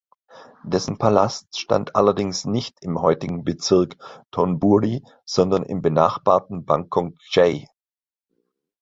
Dessen Palast stand allerdings nicht im heutigen Bezirk Thonburi, sondern im benachbarten Bangkok Yai.